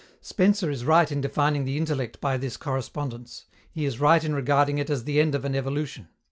Spencer is right in defining the intellect by this correspondence. He is right in regarding it as the end of an evolution.